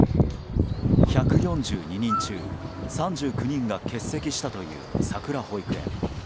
１４２人中３９人が欠席したというさくら保育園。